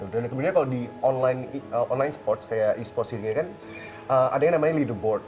dan kemudian kalau di online sports kayak esports ini kan ada yang namanya leaderboard